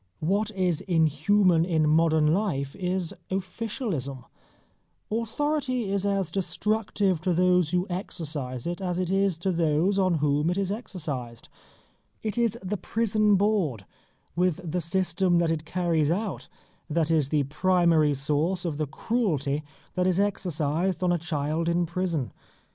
What is inhuman in modern life is officialism. Authority is as destructive to those who exercise it as it is to those on whom it is exercised. It is the Prison Board, with the system that it carries out, that is the primary source of the cruelty that is exercised on a child in prison.